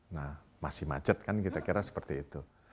nah masih macet kan kira kira seperti itu